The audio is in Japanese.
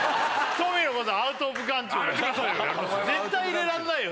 絶対入れらんないよ